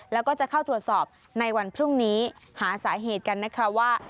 แล้วก็จะเข้าตรวจสอบในวันพรุ่งนี้หาสาเหตุกันนะคะว่า